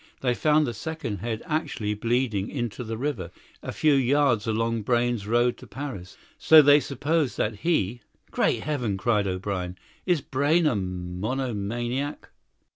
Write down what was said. They found the second head actually bleeding into the river, a few yards along Brayne's road to Paris; so they suppose that he " "Great Heaven!" cried O'Brien. "Is Brayne a monomaniac?"